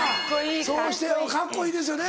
そうしてカッコいいですよね。